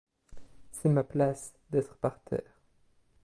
C'est ma place, d'être par terre.